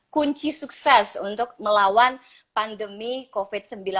kunci sukses untuk melawan pandemi covid sembilan belas